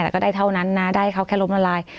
แต่ก็ได้เท่านั้นนะได้เขาแค่ล้มละลาย